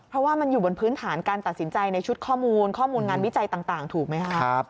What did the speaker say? เพราะว่ามันอยู่บนพื้นฐานการตัดสินใจในชุดข้อมูลข้อมูลงานวิจัยต่างถูกไหมคะ